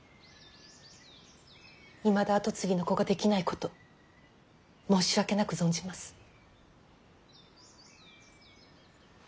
いまだ跡継ぎの子ができないこと申し訳なく存じます。